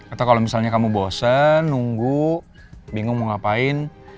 atau kalau misalnya kamu bosen nunggu bingung mau ngapain